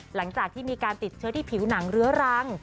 หลังจากที่มีการติดเชื้อที่ผิวหนังเรื้อรัง